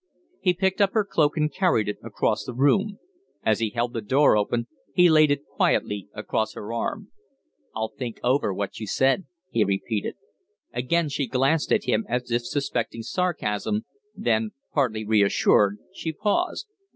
He picked up her cloak and carried it across the room. As he held the door open, he laid it quietly across her arm. "I'll think over what you've said," he repeated. Again she glanced at him as if suspecting sarcasm then, partly reassured, she paused.